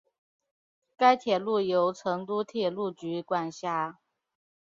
该铁路由成都铁路局管辖。